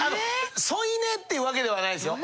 添い寝っていうわけではないんですよ。